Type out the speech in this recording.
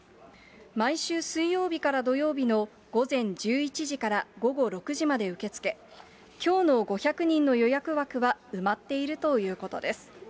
毎週水曜日から土曜日の午前１１時から午後６時まで受け付け、きょうの５００人の予約枠は埋まっているということです。